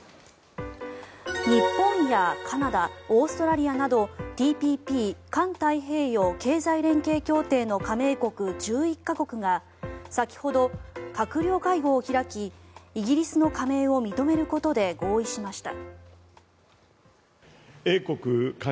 日本やカナダ、オーストラリアなどＴＰＰ・環太平洋経済連携協定の加盟国１１か国が先ほど、閣僚会合を開きイギリスの加盟を認めることで合意しました。